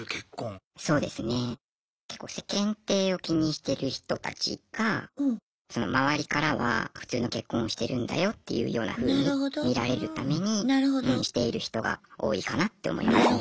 結構世間体を気にしてる人たちが周りからは普通の結婚をしてるんだよっていうようなふうに見られるためにしている人が多いかなって思いますね。